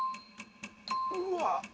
うわっ。